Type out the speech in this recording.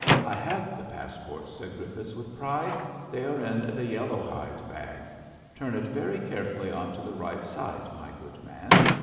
*^ I have the pass ports/' said Griffiths with pride. They are in the yellow hide bag. Turn it very carefully on to the right side, my good man.